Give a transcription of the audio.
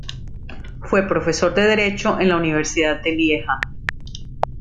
Fue profesor de Derecho en la Universidad de Lieja.